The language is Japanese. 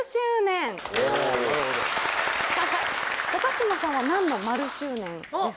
高嶋さんは何の○周年ですか？